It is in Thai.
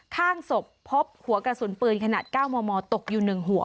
ข้างศพพบหัวกระสุนปืนขนาด๙มมตกอยู่๑หัว